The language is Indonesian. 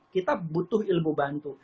kita butuh ilmu bantu